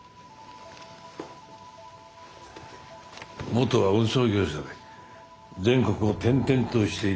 元は運送業者で全国を転々としていたようです。